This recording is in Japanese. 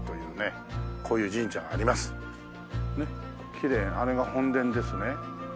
きれいなあれが本殿ですね。